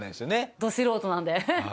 ど素人なので。